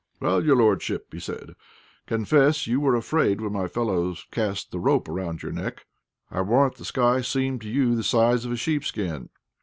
"Well, your lordship," said he, "confess you were afraid when my fellows cast the rope about your neck. I warrant the sky seemed to you the size of a sheepskin.